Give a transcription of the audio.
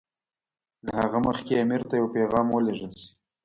له هغه مخکې امیر ته یو پیغام ولېږل شي.